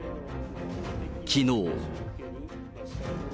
きのう。